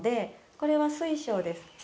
これは水晶です